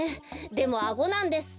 でもアゴなんです。